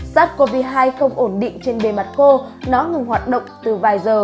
sars cov hai không ổn định trên bề mặt khô nó ngừng hoạt động từ vài giờ